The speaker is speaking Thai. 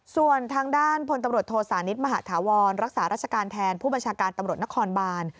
ส่วนทางด้านพลตำรวจโทษานิทมหาธาวรรักษาราชการแทนผู้บัญชาการตำรวจนครบาน